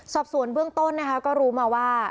สอบสวนเบื้องต้นนะคะก็รู้มาว่า